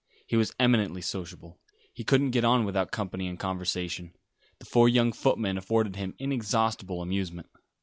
He was eminently sociable. He couldn't get on without company and conversation. The four young footmen afforded him inexhaustible amusement.